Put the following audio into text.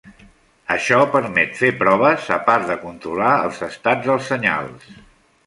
Això permet fer proves a part de controlar els estats dels senyals.